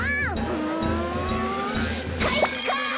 うんかいか！